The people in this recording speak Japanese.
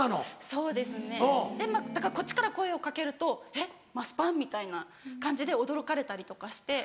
そうですねでまぁだからこっちから声を掛けると「えっマスパン？」みたいな感じで驚かれたりとかして。